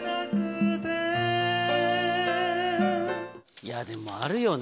いや、でもあるよね。